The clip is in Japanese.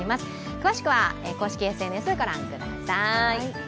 詳しくは公式ＳＮＳ、ご覧ください。